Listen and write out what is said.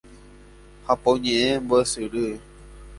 Japón ñe'ẽ mbo'esyry